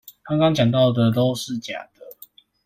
剛剛講到的都是假的